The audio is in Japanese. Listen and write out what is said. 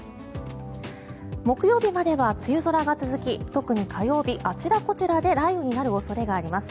木曜日までは梅雨空が続き特に火曜日あちらこちらで雷雨になる恐れがあります。